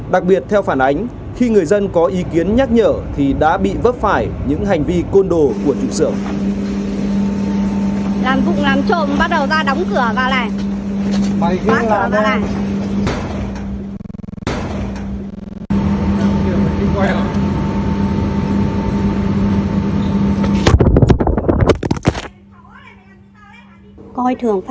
đặc biệt theo phản ánh khi người dân có ý kiến nhắc nhở thì đã bị vấp phải những hành vi côn đồ của trụ sườn